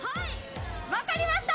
分かりました。